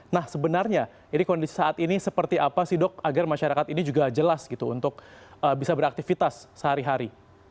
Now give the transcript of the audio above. nah sebenarnya ini kondisi saat ini seperti apa sih dok agar masyarakat ini juga jelas gitu untuk bisa beraktivitas sehari hari